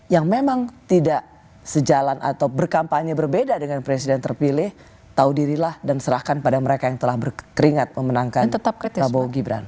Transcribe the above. yang memang tidak sejalan atau berkampanye berbeda dengan presiden terpilih tahu dirilah dan serahkan pada mereka yang telah berkeringat memenangkan prabowo gibran